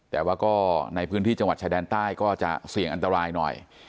แต่ว่าก็ในพื้นที่จังหวัดชายแดนใต้ก็จะเสี่ยงอันตรายหน่อย